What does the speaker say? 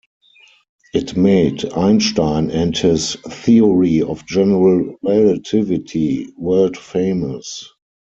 It made Einstein and his theory of general relativity world-famous.